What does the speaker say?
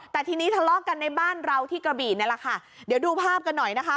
แต่ทีนี้ทะเลาะกันในบ้านเราที่กระบี่นี่แหละค่ะเดี๋ยวดูภาพกันหน่อยนะคะ